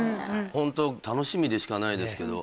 ホント楽しみでしかないですけど。